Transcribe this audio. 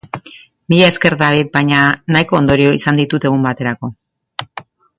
Mila esker, David, baina nahiko ondorio izan ditut egun baterako.